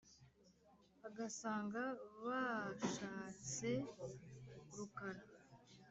Agasanga baashaatse Rukara